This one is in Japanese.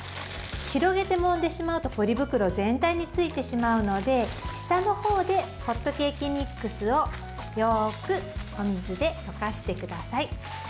広げてもんでしまうとポリ袋全体についてしまうので下の方でホットケーキミックスをよくお水で溶かしてください。